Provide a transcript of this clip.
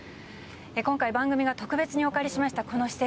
今回番組が特別にお借りしました、この施設。